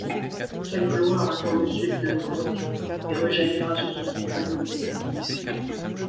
Quelle gloire attend Monsieur Lidenbrock et rejaillira sur son compagnon !